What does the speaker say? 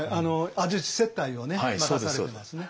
安土接待をね任されてますね。